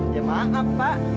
ya maaf pak